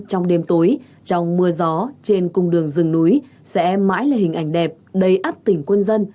trong đêm tối trong mưa gió trên cung đường rừng núi sẽ mãi là hình ảnh đẹp đầy áp tỉnh quân dân